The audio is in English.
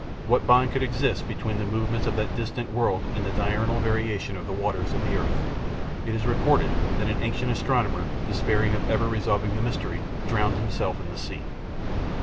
What bond could exist between the movements of that distant world and the diurnal variation of the waters of the earth? It is reported that an ancient astronomer, despairing of ever resolving the mystery, drowned himself in the sea.